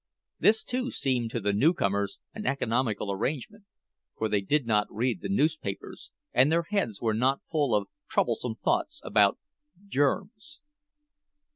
This, too, seemed to the newcomers an economical arrangement; for they did not read the newspapers, and their heads were not full of troublesome thoughts about "germs."